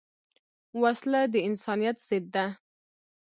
وسله د انسانیت ضد ده